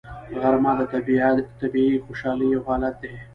غرمه د طبیعي خوشحالۍ یو حالت دی